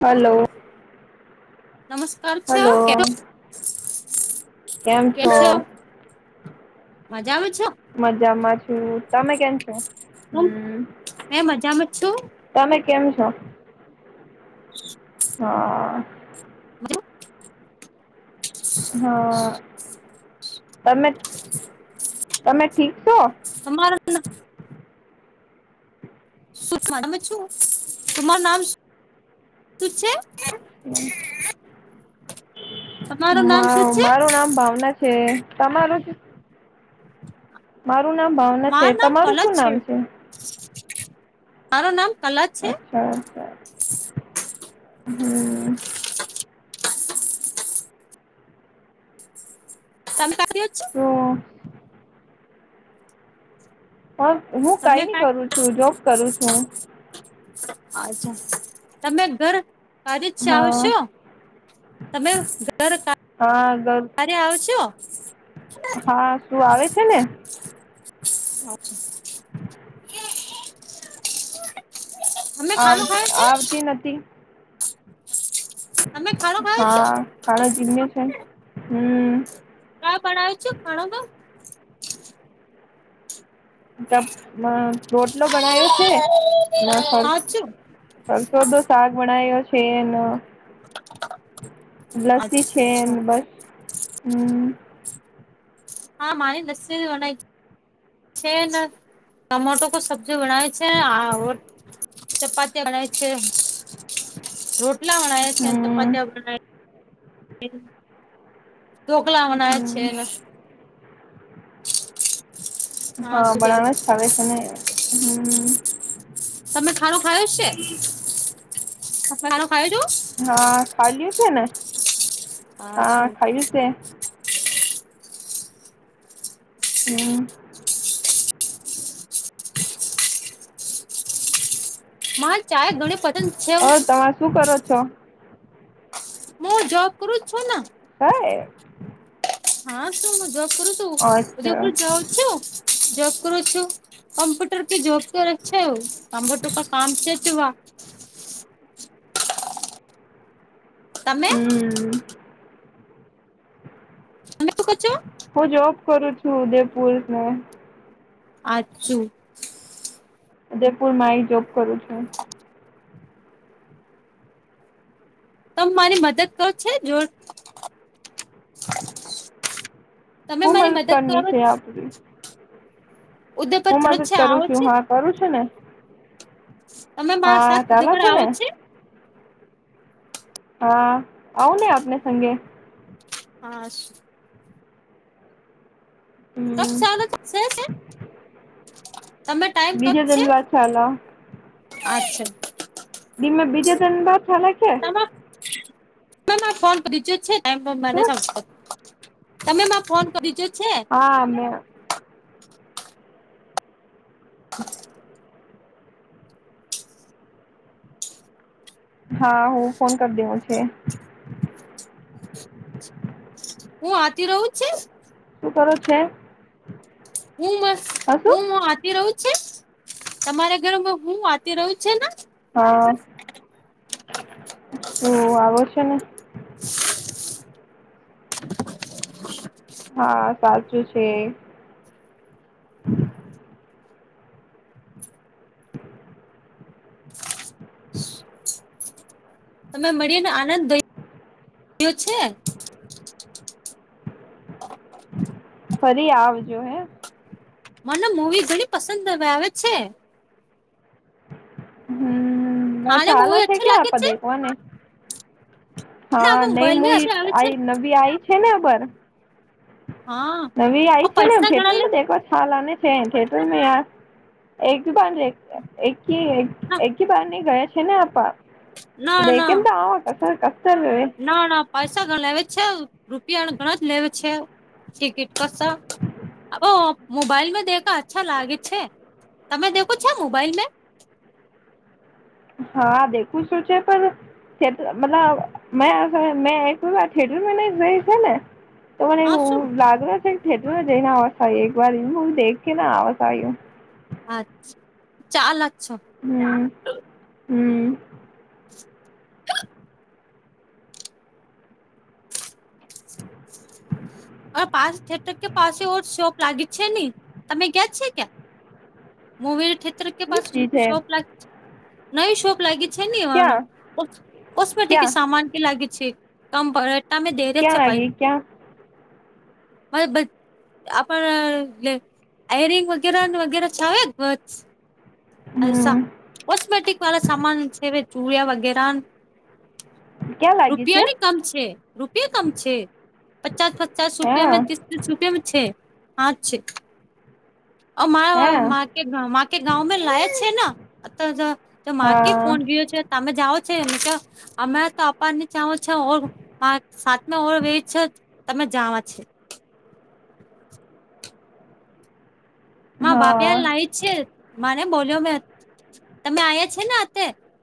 Hello નમસ્કાર છો કે હલો કેમ છો મજા માં છો. મજામાં છું તમે કેમ છો હમ્મ. મેં મજામાં છું તમે કેમ છો? હું. હા [inaudible] હલો [inaudible] હા તમે તમે ઠીક છો, તમારો, સુષમા તમે શું તમારું નામ શું છે. તમારું નામ શું છે મારું નામ ભાવના. છે, તમારું. મારું નામ ભાવના છે, મારું નામ તમારું શું કલશ નામ છે. મારું નામ કલા છે. અચ્છા અચ્છા હું. તમે કાઢથી જ છો. હ [inaudible] પણ હું તમે કાંઈ નહી ક્યાં કરું છું, જોબ કરું છું. અચ્છા તમે ઘર. હજી જાવ હા તમે છો તમે ઘર. હા [inaudible] અને આવછો. હા શું આવે છે, ને. અચ્છા. તમે આવ ખાણો ખાયો છે આવતી નથી. તમે ખરો. હા કારો જીમ્યો છે, હું. કા પણાવ છું, ખણ માં. તે રોટલો બનાવ્યો છે, ના ફક્ત. ખાવ છું સરસોદો શાક બણ્યો છે, લસ્સી. છે, અચ્છા અને બસ હું. હા મારી લસી બનાય છે, ટમાટો સબ. જ બનાવે છે, ચપાટી બનાવે છે. રોટલા બનાયા છે, હમ ચપાતી બનાવી. ઢોકલા મના છે હમ એને હા શું છે બનાવા જ થાવે છે ને હમ. તમે ખાણું ખાયો છે ત ખાણું ખો છો. હા ખ્યું છે ને હા ખાયું છે. હમ. ચાય ગણ પ. હ તમામે શું કરો છો. જ જોબ કરું છો. હ. હા શુંું જબ કરું છું અચ્છા ઉદયપુર જઉ છું જબ કરુ છું. કમ્પ્યુટર કે જોબ તો અછા હોું કમ્પ્યુટર ક કામ છેચવા. તમે. હમ તું કર છો. હું જોબ કરું છું ઉદયપુર. આચું. ઉદયપુર મા એ જોબ કરું છું. ત મારી મદદ કરો છે જો. તમે હું મારી મદદ કરની કરો છે આપની. ઉદયપર હું ચણો મદદ છે કરું આવો છે છું હા કરું છું ને. તમે મા સાત હા ઉધ ચાલે પણ ને આવો છે. હા આવુંને આપને સંગે. હા. કબ ચાલુ થશે છે તમે ટાઈમ હમ કબ બીજા છે ધન્યવાદ ચાલ. અચ્છા. ીમે બીજા દન બાવ ચાલે છે. ફોન કરી છે છે. ટમ પણ મને શું સમજ તમે મા ફોન કરીજો છે. હા મે. હ. હા હું ફોન કરી દેવ છે. હું આથી રહો છ. શું કરું છે. હું મ હા શું હું હ હતી રહું છે. તમારા ઘરોમાં હું આતી રહ્યું છે ને. હા શું આવો છે ને. [unintelligible] હા સાચું છે. તમે મળીને આનંદયોયો છે. હ [unintelligible] ફરી આવજો હે મને મૂવી ઘણી પસંદ હ આવે છે. હમ હાલે ચાલે મૂવી છે અચ્છો ક્યા લાગે આપ છે દેખવાને. ને હા હવે નહી મોબાઈલ મે મુ આવે આ છે નવીી આઈ છે ને ખબર. હા નવી આઈ છે નેું પૈસા થયેટર ઘણા લે માં દ છાલાને. છે થટ મેં ાર એકી બાંધ લે એક એકી બાંધની ગય. શનપા ના ના કેતા આવા કસ કષ્ટલ. ના ના. પૈસા ઘણા લેવા છે રૂપિયા ઘણા જ લેવે છે ટિકિટ કશ. હો મોબાઈલ મે દેખા અચ્છા લાગે છે તમે દેખો છે મોબાઈલ મેં. હા દેખું શું છેે પણ. થટ મતલબ મે મે એક થથીયેટર ન ર છે ને. તો મને હા શું એવું લાગે છે થત ને જઈને આવસ આવી એક વાર દેખ ના આવસ આવ્યો. અછા ચાલ અચ છો. હમ હમ. પા થયેટર કે પાસે ઓ શોપ લાગી જ છે નહી તમે ગયા છે ક્યાં. મવીિ થટર પા ની ચીજ હે શોપ લ નવી શોપ લાગી. છે ક્યાં કોસ પટ કે ક્યાં સામાન કે લાગી છે કમ. તમે દેરે ક્યાં છે પ લાગી ક્યાં આપ એયરિંગ વગેરે વગેરે છાવ અા હમ કોસ્મેટિક વાા સાન જે ચૂરિયા વગેરા ક્યાં લાગી છે રૂપિયાની કમ છે રૂપિયા કમ છે પચાસ પચાસ હા રૂપિયામાં શું કેમ છે હા છે. હા મા કે મા કે ગાવ મે લાય અ માકે હા ફોન ગયો છે તમે જાઓ છે એ ક અમે તો અપારની ચાવો છે ઓ સાતમે ઓર વે છે તમે જાાવ છ. હા ભપિયાને લાવ જ છે માને બોલ્યો મેં તમે આવ્યા છે ને અ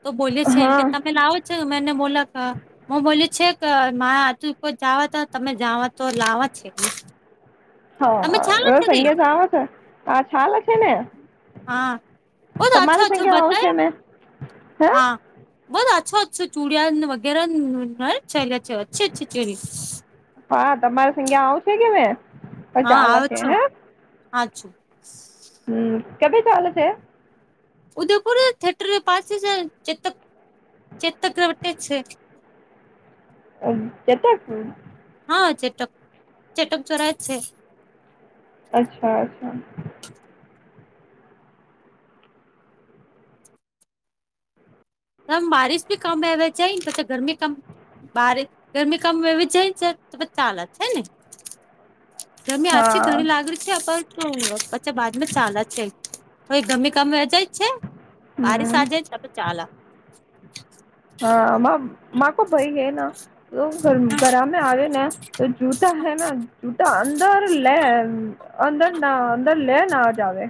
તો બોલી છે એમ કે હા તમે લાવો છો મે એને બોલાક. હું બોલ્યો છે કે મા આ તું કો જવા તો તમે જવા તો લાવવા. કેટ હા એ સંગીત આવે છે આ લ હા બ તો તમારી અચ્છા અ્છો સંખ્યા આવું બતાય છે મેં હે હા. બસ આછો ચુડિયા વગેરે છેલ્ છે અચ્છી અચ્છી ચરી હા તમારી સંખ્યા આવ છે કે મેં. હા ચાલે આવ છે છો હે હા છું. હમ કેદ ચાલે છે. ઉદયપુર થયટર પાસે છે ચેતક ચેતક વ છે. કેત ખ હા ચેટક ચેટક જોરા જ છે. અચ્છા અચ્છા. ત બારિશ ભી કમ આવેવે છે પછ ગરમી કમ બારી ગરમી કામ એવી જાય છે તો બધ ચાલત હૈ ને તમે આથીી હા ઘણી લાગણી છે. શું પછા બાદમાં ચા જ છે તો ગમેી કામે રજાય છે. ભાર હમ સાધ ચપ ચાલ હા મા કો ભાઈ હે ના તો ઘરા મે આવે ને તો જૂતા હૈ ના જૂતા અંદર લે અંદર ના અંદર લે ના જ આવે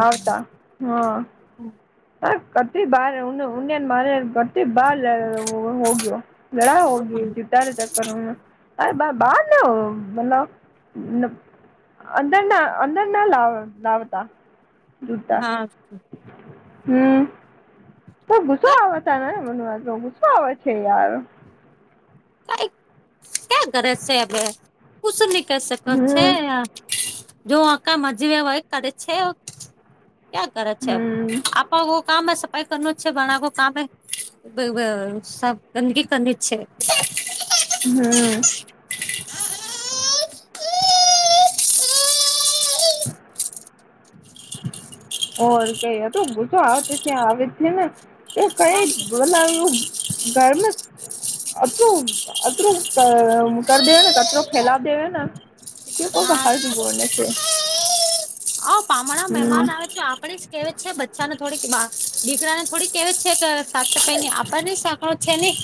આવતા હ હમ્મ [unintelligible] [unintelligible] [unintelligible] અંદર ના અંદર ના લાવ લાવતા જૂતા હા હમ તો ગુસો આવતા ને મન તો ગુસ્સો આવે છે યાર. કઈ ક્યા ઘરે છે હવે કછ નહી ક શકો છે. હમ જો આક મજીવે હોય કરે છે ક્યા કરે છે. હમ [unintelligible] કામ હ સફાઈ કરનું છેે બનાવો કામ હ સા ગંદગી કંદ જ છે. હમ્મ [unintelligible] ઓર કઈ તો ગો આવે છે આવે છે ને. એ કઈ હા છે. બલા એું ઘરમાં અત્રું અત્રું કર દેવે ને કચું ફેલા દેવે ને એ કો ક હા હાલ છે. જ બને છે. હમણાં મહેમાન હમ આવે તો આપણેે કેત છે બચ્ચાને થોડીક દીકરાને થોડીક કેહેત છે કે સાત સફાઈની આપને હો છેલી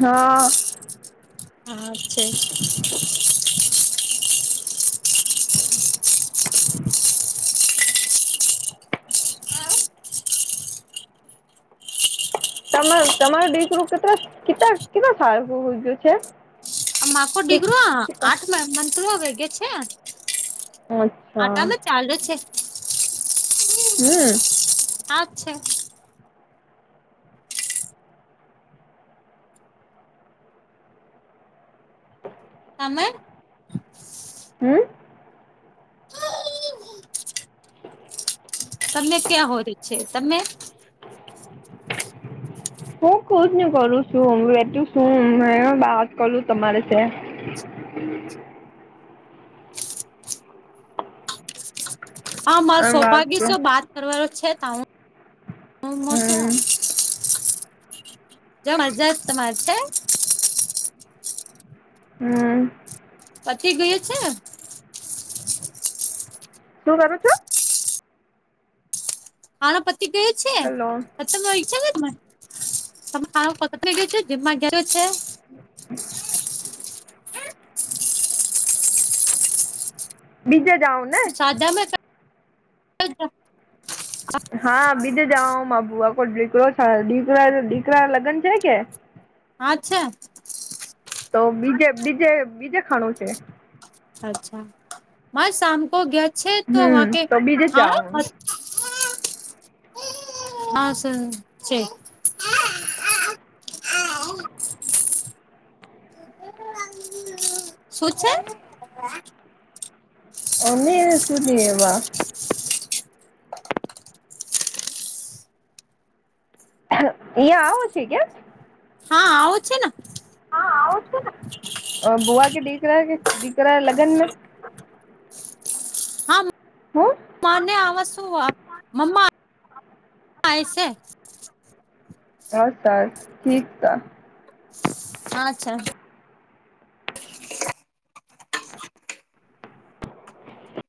હા હા છે. તમાર તમારું દીકરું કેટલા કે કેટ ફારું છે. આ માખ ડિગ્ર આઠ મથ વેગે છે અચ્છા આટામાં ચાલ છે હમ્મ અચ છે આમે હમ્મ તમે ક્યાં હો ર છે તમે હું કોુજ ન કરું છું હ વઠું છું બાત કરું તમારે છે હા મારા આમ વાત સૌભાગ્ય છે શો બાત કરવાનો છે ત હું હું હું શું હમ જો મજા તો મારે હમ્મ પછી ગય છે. શું કરો છો હાનો પતિ ગયો છે હેલો [unintelligible] ગયો છે જીમમાં ગયો છે હ બીજ જાઉન સાદા મેક હા બીજા જાવાઓમાં આખો દીકરો દીકરા દીકરા લગન છે કે આજ છે તો બીજે બીજે બીજે ખાણું છે અચ્છા માસ સામકો ગયા છે તો હમ કે તો બીજે જ જાઉ હા હા સ છે શું છે અમે સુધી એવા અહયા આવો છે ક્યા હા આવો છે ને અ બુઆ કે દીકરા કે દીકરા લગન હું માને આવ શું આપ મમ્મા છે બસ સરસ ઠીક ત હા અચ્છા